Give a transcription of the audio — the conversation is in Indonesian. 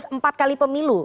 empat kali pemilu